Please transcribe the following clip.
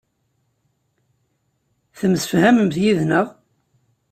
Temsefhamemt yid-neɣ.